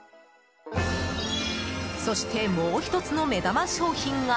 そして、もう１つの目玉商品が。